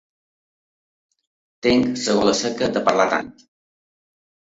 Tinc la gola seca de parlar tant.